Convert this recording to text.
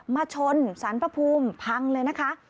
ชนสารพระภูมิพังเลยนะคะ